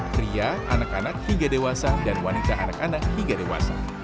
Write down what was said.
pria anak anak hingga dewasa dan wanita anak anak hingga dewasa